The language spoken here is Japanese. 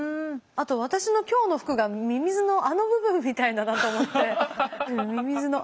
あと私の今日の服がミミズのあの部分みたいだなと思って。